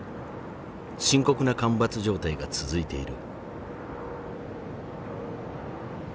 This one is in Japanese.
深刻な干ばつ状態が続いている。